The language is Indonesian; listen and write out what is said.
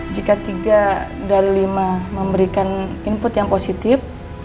jika tiga dari lima memberikan input yang positif